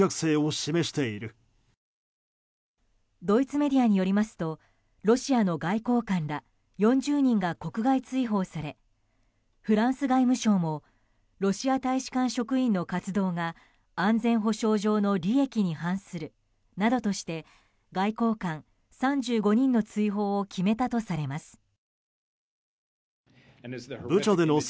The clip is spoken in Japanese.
ドイツメディアによりますとロシアの外交官ら４０人が国外追放されフランス外務省もロシア大使館職員の活動が安全保障上の利益に反するなどとして外交官３５人の追放を決めたとされます。